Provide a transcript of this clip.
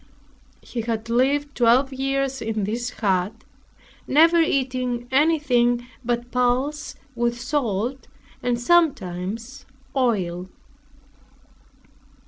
He had lived twelve years in this hut, never eating anything but pulse with salt, and sometimes oil.